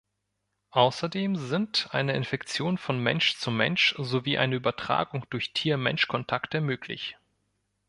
Außerdem sind eine Infektion von Mensch zu Mensch sowie eine Übertragung durch Tier-Mensch-Kontakte möglich.